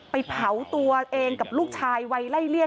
ไปเผาตัวเองกับลูกชายไวล่ายเลีย